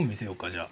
じゃあ。